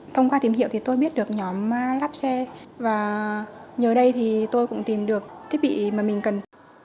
thông qua tìm hiểu thì tôi biết được nhóm lapsha và nhờ đây thì tôi cũng tìm được thiết bị mà mình cần